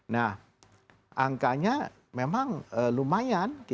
nah angkanya memang lumayan